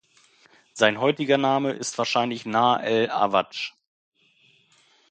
Sein heutiger Name ist wahrscheinlich Nahr el-Awadsch.